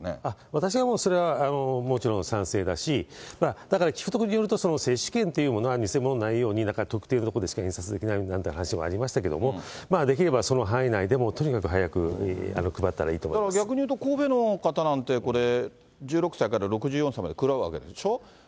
私はもうそれはもうもちろん賛成だし、だから聞くところによると、接種券っていうものは偽物ないように特定の所でしか印刷できないなんて話もありましたけれども、できればその範囲内でとにかく早逆にいうと、神戸の方なんて、これ、１６歳から６４歳まで配るわけでしょ。